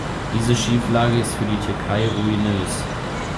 Diese Schieflage ist für die Türkei ruinös.